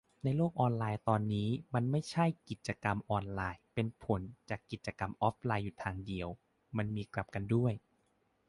แล้วในโลกตอนนี้ มันไม่ใช่ กิจกรรมออนไลน์เป็นผลจากกิจกรรมออฟไลน์อยู่ทางเดียว มันมีกลับกันด้วย